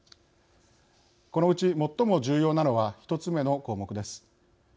このうち、最も重要なのは１つ目の項目です。